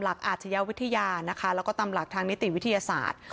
นะต่อสองอาจจะวิทยานะคะก็ตามหลักทางนิติวิทยาศาสตร์